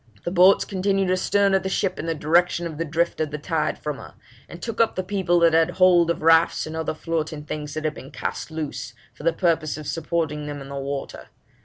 The boats continued astern of the ship in the direction of the drift of the tide from her, and took up the people that had hold of rafts and other floating things that had been cast loose, for the purpose of supporting them on the water.